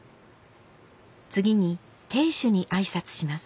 次に亭主に挨拶します。